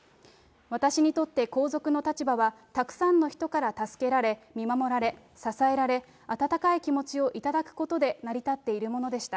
私にとって皇族の立場はたくさんの人から助けられ、見守られ、支えられ、温かい気持ちを頂くことで成り立っているものでした。